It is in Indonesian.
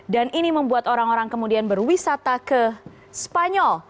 dan ini membuat orang orang kemudian berwisata ke spanyol